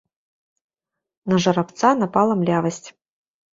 На жарабца напала млявасць.